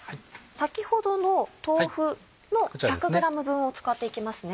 先ほどの豆腐の１００ｇ分を使っていきますね。